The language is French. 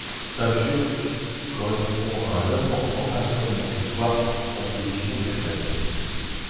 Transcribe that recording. Sa géologie correspond à un important affleurement de quartz en position de crête.